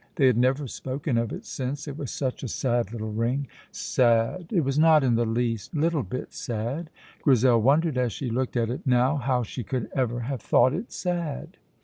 They had never spoken of it since, it was such a sad little ring. Sad! It was not in the least little bit sad. Grizel wondered as she looked at it now how she could ever have thought it sad.